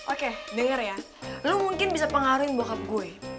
oke denger ya lo mungkin bisa pengaruhin bokap gue